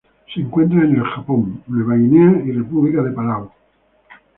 Se encuentra en el Japón, Nueva Guinea y República de Palau.